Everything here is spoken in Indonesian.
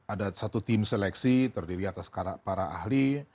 ada satu tim seleksi terdiri atas para ahli